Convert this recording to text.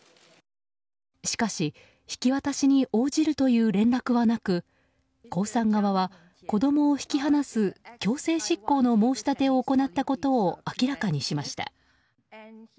しかし、引き渡しに応じるという連絡はなく江さん側は子供を引き離す強制執行の申し立てを行ったことを明らかにしました。